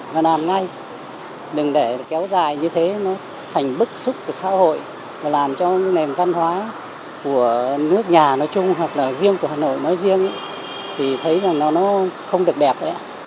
và làm ngay đừng để kéo dài như thế nó thành bức xúc của xã hội và làm cho nền văn hóa của nước nhà nói chung hoặc là riêng của hà nội nói riêng thì thấy rằng nó không được đẹp đấy ạ